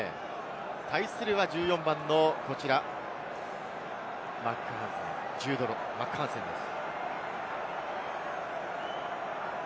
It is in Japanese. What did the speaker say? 対するは１４番のマック・ハンセンです。